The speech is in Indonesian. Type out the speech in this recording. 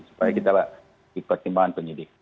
supaya kita dapat pertimbangan penyidik